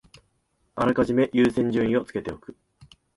あらかじめ優先順位をつけておく